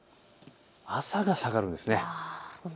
朝が下がるんですね。